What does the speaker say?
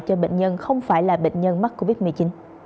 cho bệnh nhân không phải là bệnh nhân mắc covid một mươi chín